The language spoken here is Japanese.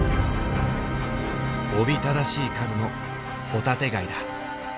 おびただしい数のホタテガイだ。